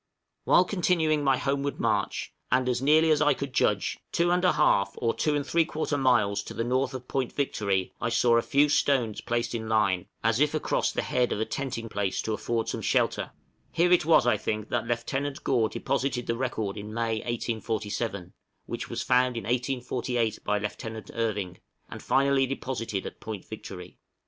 When continuing my homeward march, and, as nearly as I could judge, 2 1/2 or 2 3/4 miles to the north of Point Victory, I saw a few stones placed in line, as if across the head of a tenting place to afford some shelter; here it was I think that Lieutenant Gore deposited the record in May, 1847, which was found in 1848 by Lieutenant Irving, and finally deposited at Point Victory.